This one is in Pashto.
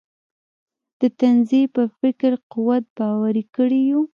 د طرزي پر فکري قوت باوري کړي یو.